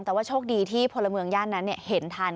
แต่ว่าโชคดีที่พลเมืองย่านนั้นเห็นทัน